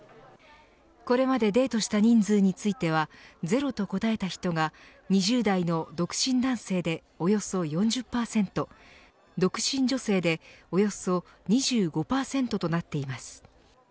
これまでデートした人数についてはゼロと答えた人が２０代の独身男性でおよそ４０％独身女性でおよそ２５％となっています。